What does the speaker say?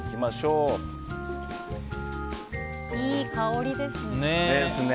いい香りですね。